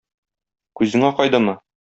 Күзең акайдымы?